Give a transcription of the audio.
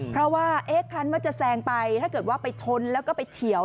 เพราะว่าเอ๊ะคลั้นว่าจะแซงไปถ้าเกิดว่าไปชนแล้วก็ไปเฉียว